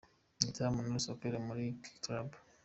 Igitaramo Knowless akorera muri K Club.